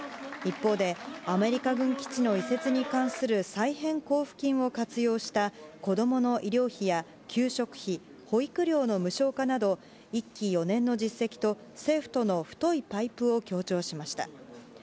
一方でアメリカ軍基地の移設に関する再編交付金を活用した子供の医療費や給食費保育料の無償化など１期４年の実績と政府との太いパイプを強調しました。